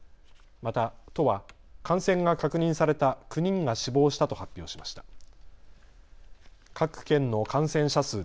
また都は感染が確認された９人が死亡したと発表しました。